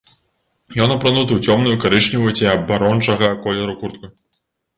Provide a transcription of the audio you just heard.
Ён апрануты ў цёмную карычневую ці абарончага колеру куртку.